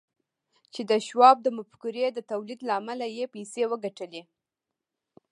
چې د شواب د مفکورې د توليد له امله يې پيسې وګټلې.